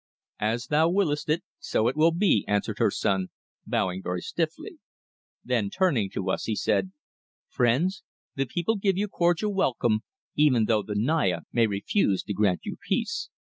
"As thou willest it, so it will be," answered her son, bowing very stiffly. Then, turning to us, he said: "Friends, the people give you cordial welcome, even though the Naya may refuse to grant you peace.